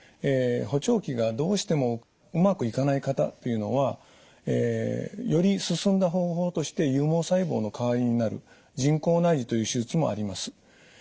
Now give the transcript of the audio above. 補聴器がどうしてもうまくいかない方というのはより進んだ方法として有毛細胞の代わりになる人工内耳という手術もあります。